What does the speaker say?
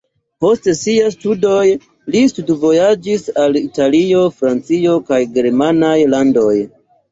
Post siaj studoj li studvojaĝis al Italio, Francio kaj germanaj landoj.